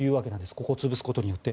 ここを潰すことによって。